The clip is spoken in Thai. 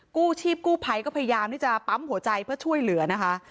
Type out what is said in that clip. กู้ชีพกู้ภัยก็พยายามที่จะปั๊มหัวใจเพื่อช่วยเหลือนะคะ